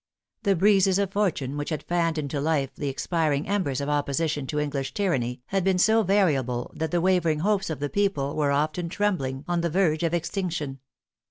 The breezes of fortune which had fanned into life the expiring embers of opposition to English tyranny, had been so variable that the wavering hopes of the people were often trembling on the verge of extinction.